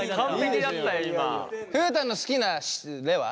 フータンの好きなレは？